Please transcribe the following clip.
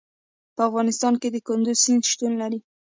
په افغانستان کې د کندز سیند شتون لري.